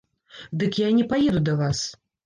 Дык я і не паеду да вас.